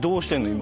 今。